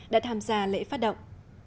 đã tham gia lễ phát động